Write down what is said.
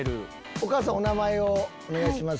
お母さんお名前をお願いします。